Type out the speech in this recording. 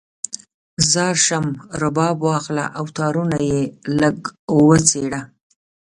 ځار شم، رباب واخله او تارونه یې لږ وچیړه